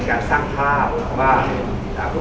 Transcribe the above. พวกมันจัดสินค้าที่๑๙นาที